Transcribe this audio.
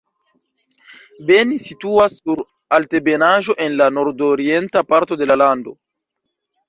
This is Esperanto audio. Beni situas sur altebenaĵo en la nordorienta parto de la lando.